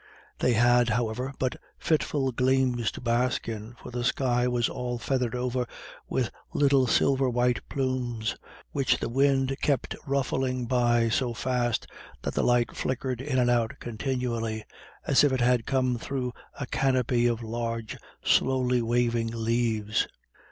They had, however, but fitful gleams to bask in, for the sky was all feathered over with little silver white plumes, which the wind kept ruffling by so fast that the light flickered in and out continually, as if it had come through a canopy of large slowly waving leaves.